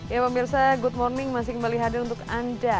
ya pemirsa good morning masih kembali hadir untuk anda